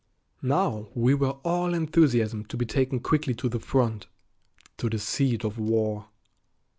Now we were all enthusiasm to be taken quickly to the front, to the "seat of war."